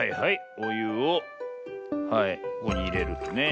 おゆをはいここにいれるとね。